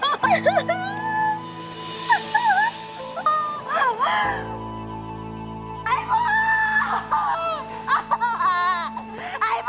อ้ายบ้าอ้ายบ้าอ้ายบ้า